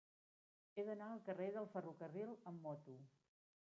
He d'anar al carrer del Ferrocarril amb moto.